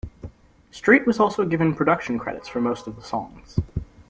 Street was also given production credits for most of the songs.